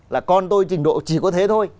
là con tôi trình độ chỉ có thế thôi